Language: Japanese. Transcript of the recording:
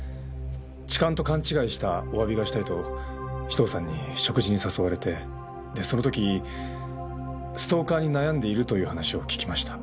痴漢と勘違いしたお詫びがしたいと紫藤さんに食事に誘われてでその時ストーカーに悩んでいるという話を聞きました。